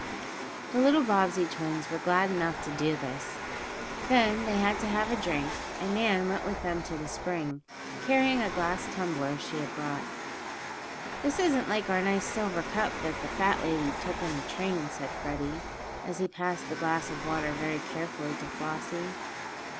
The littler Bobbsey twins were glad enough to do this. Then they had to have a drink, and Nan went with them to the spring, carrying a glass tumbler she had brought. "This isn't like our nice silver cup that the fat lady took in the train," said Freddie, as he passed the glass of water very carefully to Flossie.